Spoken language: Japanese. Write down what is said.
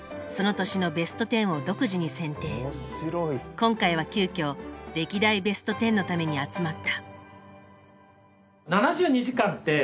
今回は急きょ歴代ベスト１０のために集まった。